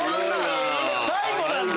最後なんだ！